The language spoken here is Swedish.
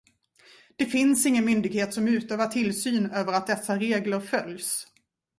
Det finns ingen myndighet som utövar tillsyn över att dessa regler följs.